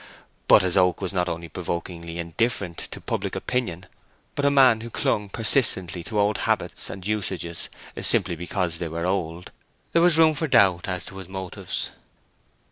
But as Oak was not only provokingly indifferent to public opinion, but a man who clung persistently to old habits and usages, simply because they were old, there was room for doubt as to his motives.